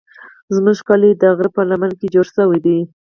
زموږ کلی د غره په لمنه کې جوړ شوی دی.